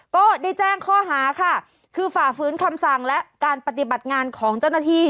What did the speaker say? ก็ได้แจ้งข้อหาค่ะคือฝ่าฝืนคำสั่งและการปฏิบัติงานของเจ้าหน้าที่